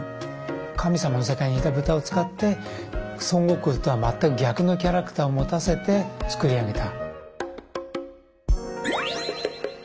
神様の世界にいたブタを使って孫悟空とは全く逆のキャラクターを持たせて作り上げた。